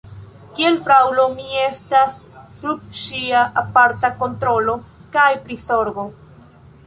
Kiel fraŭlo, mi estas sub ŝia aparta kontrolo kaj prizorgo.